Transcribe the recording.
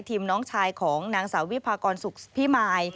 น้องชายของนางสาววิพากรสุขพิมาย